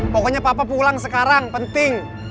pokoknya papa pulang sekarang penting